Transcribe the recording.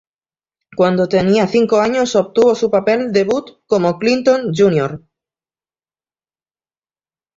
Cuando tenía cinco años obtuvo su papel debut como Clinton Jr.